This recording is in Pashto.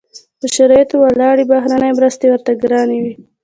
پر شرایطو ولاړې بهرنۍ مرستې ورته ګرانې وې.